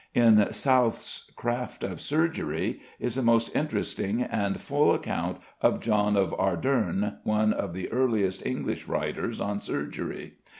In South's "Craft of Surgery" is a most interesting and full account of =John of Arderne=, one of the earliest English writers on surgery.